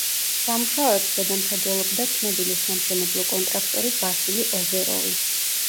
სამუშაოებს ზედამხედველობდა ცნობილი სამშენებლო კონტრაქტორი ვასილი ოზეროვი.